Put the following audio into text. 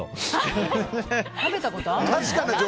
食べたことあるの？